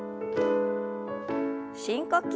深呼吸。